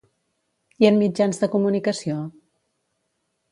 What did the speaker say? I en mitjans de comunicació?